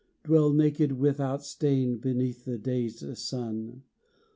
Dwell naked, without stain, Beneath the dazed sun.